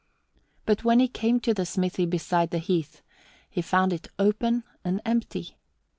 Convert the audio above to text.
But when he came to the smithy beside the heath he found it open and empty.